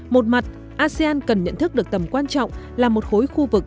một mặt asean cần nhận thức được tầm quan trọng là một khối khu vực